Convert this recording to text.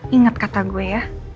ingat kata gue ya